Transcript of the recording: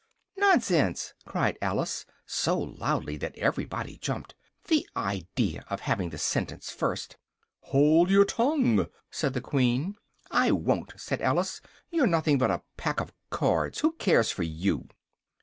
"Nonsense!" cried Alice, so loudly that everybody jumped, "the idea of having the sentence first!" "Hold your tongue!" said the Queen. "I won't!" said Alice, "you're nothing but a pack of cards! Who cares for you?"